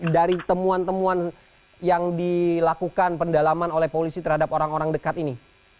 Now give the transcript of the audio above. dari temuan temuan yang dilakukan pendalaman oleh polisi terhadap orang orang dekat ini